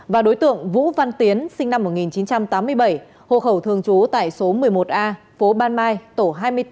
và đối tượng vũ văn tiến sinh năm một nghìn chín trăm tám mươi bảy hộ khẩu thường trú tại số một mươi một a phố ban mai tổ hai mươi bốn